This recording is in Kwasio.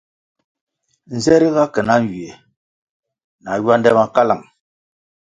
Nze ri ga ke na nywie na ywande ma kalang.